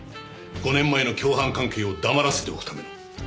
５年前の共犯関係を黙らせておくための。